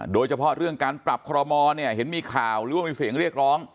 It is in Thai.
โดยเฉพาะเรื่องการปรับคอรมอลเนี่ยเห็นมีข่าวหรือว่ามีเสียงเรียกร้อง